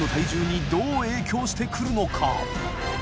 梁僚鼎どう影響してくるのか？